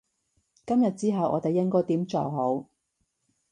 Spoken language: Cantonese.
今日之後我哋應該點做好？